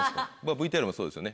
ＶＴＲもそうですよね。